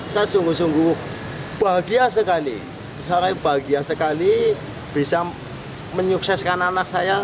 saya sungguh sungguh bahagia sekali saya bahagia sekali bisa menyukseskan anak saya